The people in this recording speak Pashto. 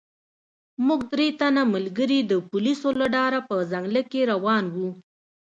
موږ درې تنه ملګري د پولیسو له ډاره په ځنګله کې روان وو.